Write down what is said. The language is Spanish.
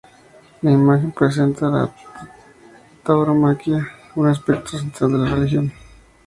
La imagen presenta la tauromaquia, un aspecto central en la religión.